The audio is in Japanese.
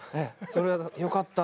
それはよかった。